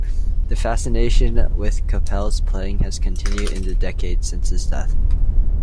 The fascination with Kapell's playing has continued in the decades since his death.